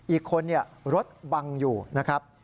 อีกคนรถบังอยู่นะครับ